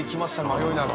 迷いなく。